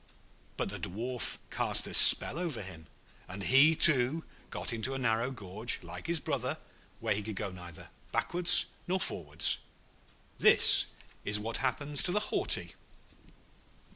But the Dwarf cast a spell over him, and he, too, got into a narrow gorge like his brother, where he could neither go backwards nor forwards. This is what happens to the haughty.